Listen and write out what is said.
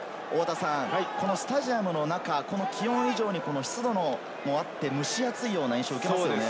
スタジアムの中、気温以上に湿度もあって、蒸し暑いような印象を受けますね。